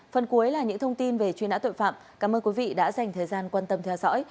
phần cuối là những thông tin về truy nã tội phạm cảm ơn quý vị đã dành thời gian quan tâm theo dõi